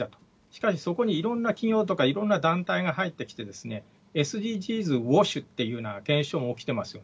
しかし、そこにいろんな企業とか団体が入ってきて、ＳＤＧｓという現象も起きてます。